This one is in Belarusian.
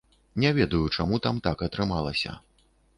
Не ведаю, чаму там так атрымалася.